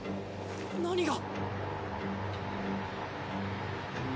何が。